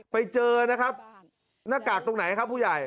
ไปเจอนะครับหน้ากากตรงไหนครับผู้ใหญ่